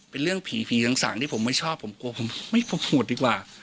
เป็นเรื่องผีผีสั่งสั่งที่ผมไม่ชอบผมกลัวผมไม่โปรโมทดีกว่า